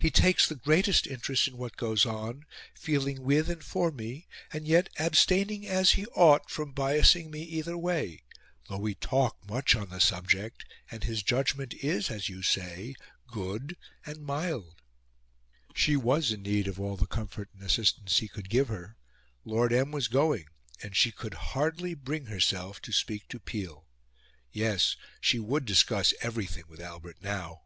He takes the greatest interest in what goes on, feeling with and for me, and yet abstaining as he ought from biasing me either way, though we talk much on the subject, and his judgment is, as you say, good and mild." She was in need of all the comfort and assistance he could give her. Lord M. was going, and she could hardly bring herself to speak to Peel. Yes; she would discuss everything with Albert now!